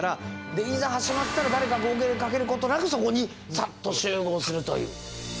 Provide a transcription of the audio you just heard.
でいざ始まったら誰か号令かけることなくそこにサッと集合するという。